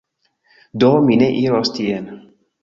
Do, mi ne iros tien